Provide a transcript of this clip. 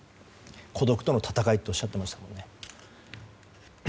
孤独との闘いとおっしゃっていましたもんね。